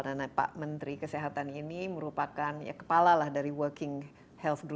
dan pak menteri kesehatan ini merupakan kepala lah dari working health